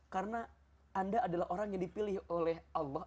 karena anda adalah orang yang dipilih oleh allah